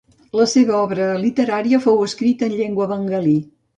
La seva obra literària fou escrita en llengua bengalí.